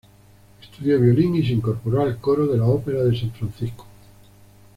Estudió violín y se incorporó al coro de la Opera de San Francisco.